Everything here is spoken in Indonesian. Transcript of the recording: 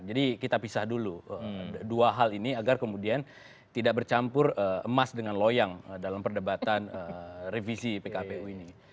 kita pisah dulu dua hal ini agar kemudian tidak bercampur emas dengan loyang dalam perdebatan revisi pkpu ini